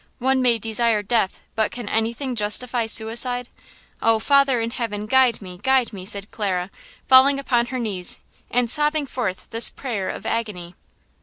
One may desire death, but can anything justify suicide? Oh, Father in heaven, guide me! guide me!" cried Clara, falling upon her knees and sobbing forth this prayer of agony.